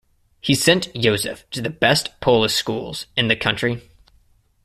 He sent Yosef to the best Polish schools in the country.